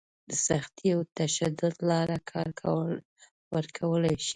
د سختي او تشدد لاره کار ورکولی شي.